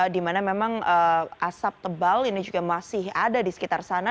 di mana memang asap tebal ini juga masih ada di sekitar sana